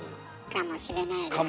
かもしれないですよね。